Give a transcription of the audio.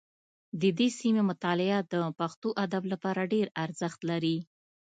د دې سیمې مطالعه د پښتو ادب لپاره ډېر ارزښت لري